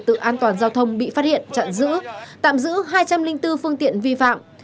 tự an toàn giao thông bị phát hiện chặn giữ tạm giữ hai trăm linh bốn phương tiện vi phạm